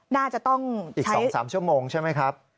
น่าจะต้องอีก๒๓ชั่วโมงใช่ไหมครับ